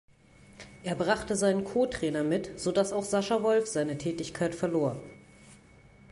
Er brachte seinen Co-Trainer mit, so dass auch Sascha Wolf seine Tätigkeit verlor.